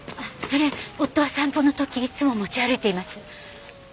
それ夫は散歩の時いつも持ち歩いています。